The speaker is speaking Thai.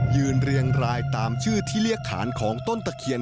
เรียงรายตามชื่อที่เรียกขานของต้นตะเคียน